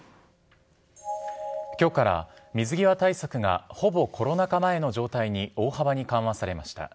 きょうから水際対策が、ほぼコロナ禍前の状態に大幅に緩和されました。